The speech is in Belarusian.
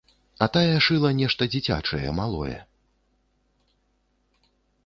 А тая шыла нешта дзіцячае, малое.